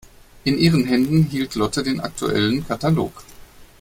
In ihren Händen hielt Lotte den aktuellen Katalog.